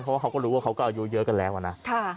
เพราะว่าเขาก็รู้ว่าเขาก็อายุเยอะกันแล้วนะ